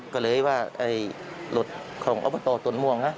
ก็เลยว่ารถของอบตต้นม่วงนะ